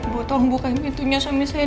bu tolong bukain pintunya suami saya